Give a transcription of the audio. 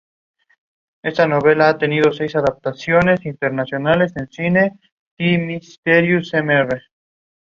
The venues changed later on to accommodate the increased freshmen population.